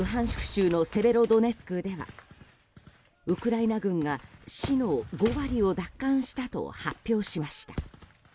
州のセベロドネツクではウクライナ軍が市の５割を奪還したと発表しました。